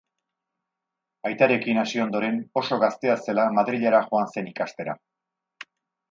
Aitarekin hasi ondoren, oso gaztea zela Madrilera joan zen ikastera.